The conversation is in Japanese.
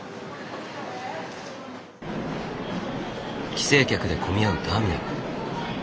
帰省客で混み合うターミナル。